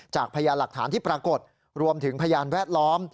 พยานหลักฐานที่ปรากฏรวมถึงพยานแวดล้อม